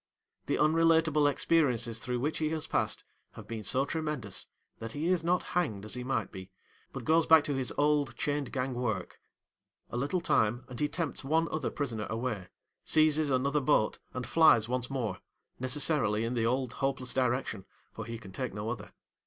The unrelateable experiences through which he has passed have been so tremendous, that he is not hanged as he might be, but goes back to his old chained gang work. A little time, and he tempts one other prisoner away, seizes another boat, and flies once more—necessarily in the old hopeless direction, for he can take no other.